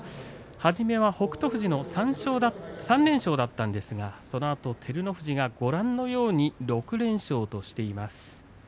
初めは北勝富士の３連勝だったんですがそのあと照ノ富士が６連勝としています。